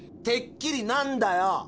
「てっきり」なんだよ！